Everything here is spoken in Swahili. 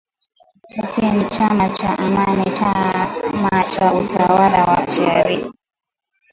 Sisi ni chama cha Amani chama cha utawala wa sharia